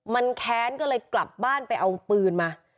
มันแค้นก็เลยกลับบ้านไปเอาปืนมา